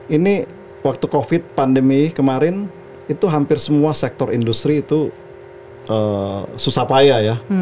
ini waktu covid pandemi kemarin itu hampir semua sektor industri itu susah payah ya